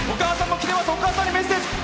お母さんにメッセージ。